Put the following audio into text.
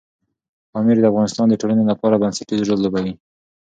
پامیر د افغانستان د ټولنې لپاره بنسټيز رول لوبوي.